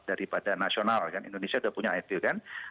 daripada nasional indonesia sudah punya itu kan